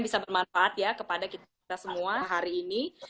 bisa bermanfaat ya kepada kita semua hari ini